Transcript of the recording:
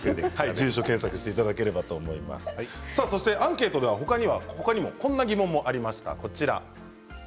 アンケートでは他にもこんな疑問がありました。